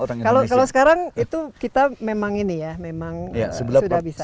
sembilan puluh delapan persen orang indonesia kalau sekarang itu kita memang ini ya memang sudah bisa